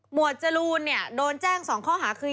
วดจรูนเนี่ยโดนแจ้ง๒ข้อหาคือ